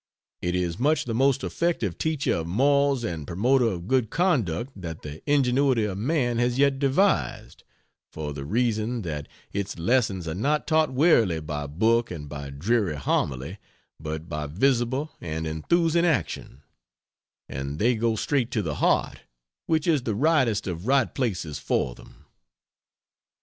It is much the most effective teacher of morals and promoter of good conduct that the ingenuity of man has yet devised, for the reason that its lessons are not taught wearily by book and by dreary homily, but by visible and enthusing action; and they go straight to the heart, which is the rightest of right places for them.